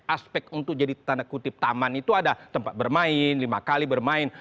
aspek untuk jadi tanda kutip taman itu ada tempat bermain lima kali bermain